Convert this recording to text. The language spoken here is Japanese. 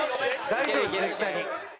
大丈夫です絶対に。